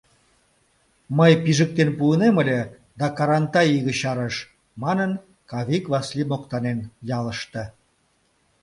Мый пижыктен пуынем ыле, да Карантай иге чарыш, — манын, Кавик Васли моктанен ялыште.